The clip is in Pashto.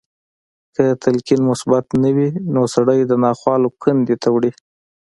که تلقين مثبت نه وي نو سړی د ناخوالو کندې ته وړي.